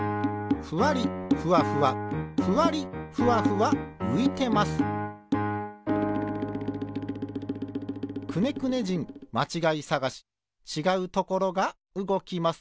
ふわりふわふわふわりふわふわういてます「くねくね人まちがいさがし」ちがうところがうごきます。